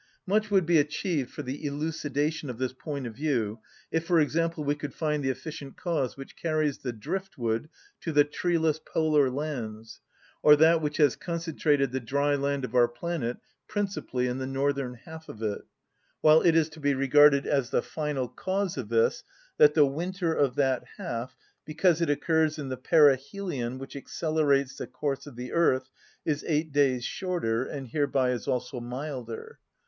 Much would be achieved for the elucidation of this point of view, if, for example, we could find the efficient cause which carries the driftwood to the treeless polar lands, or that which has concentrated the dry land of our planet principally in the northern half of it; while it is to be regarded as the final cause of this that the winter of that half, because it occurs in the perihelion which accelerates the course of the earth, is eight days shorter, and hereby is also milder.